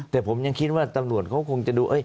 แต่ผมยังคิดว่าตำรวจเขาคงจะดู